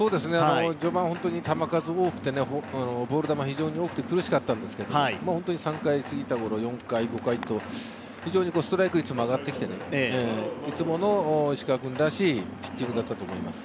序盤、本当に球数多くてボール球が多くて非常に苦しかったんですが、本当に３回過ぎたころ、４回、５回と非常にストライク率も上がって、いつもの石川君らしいピッチングだったと思います。